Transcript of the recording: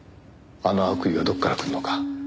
あの悪意がどこからくるのか。